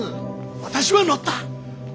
私は乗った！